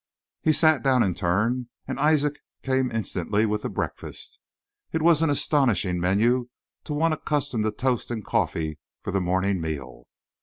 He sat down in turn, and Isaac came instantly with the breakfast. It was an astonishing menu to one accustomed to toast and coffee for the morning meal.